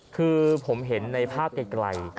คือผมเห็นในภาพไกล